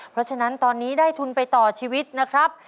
เพราะฉะนั้นตอนนี้ได้ทุนไปต่อชีวิตนะครับ